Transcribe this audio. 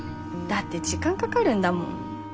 だって時間かかるんだもん。